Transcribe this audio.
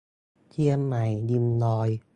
เชียงใหม่ริมดอย